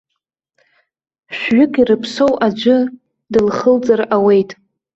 Шәҩык ирыԥсоу аӡәы дылхылҵыр ауеит.